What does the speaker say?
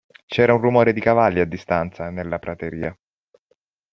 C'era un rumore di cavalli a distanza, nella prateria.